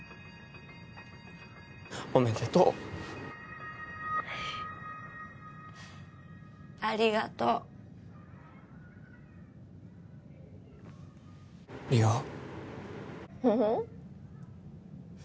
おめでとうありがとう梨央うん？